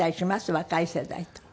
若い世代と。